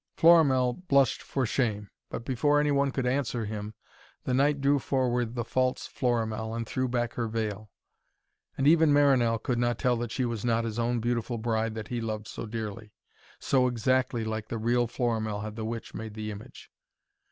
Florimell blushed for shame, but before any one could answer him, the knight drew forward the false Florimell and threw back her veil. And even Marinell could not tell that she was not his own beautiful bride that he loved so dearly, so exactly like the real Florimell had the witch made the image.